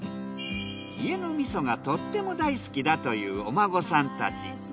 家の味噌がとっても大好きだというお孫さんたち。